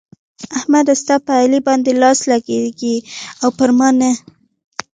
احمده! ستا په علي باندې لاس لګېږي او پر ما نه.